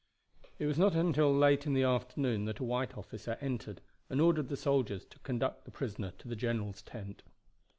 It was not until late in the afternoon that a white officer entered, and ordered the soldiers to conduct the prisoner to the general's tent.